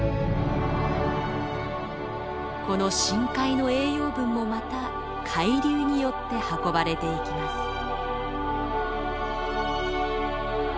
この深海の栄養分もまた海流によって運ばれていきます。